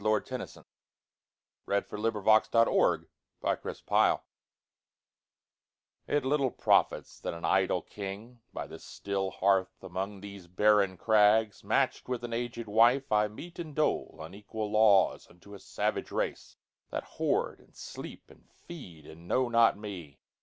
Alfred Tennyson, 1st Baron 1809–92 Ulysses Tennyson IT little profits that an idle king, By this still hearth, among these barren crags, Match'd with an aged wife, I mete and doleUnequal laws unto a savage race, That hoard, and sleep, and feed, and know not me.